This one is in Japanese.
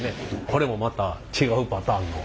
これもまた違うパターンの。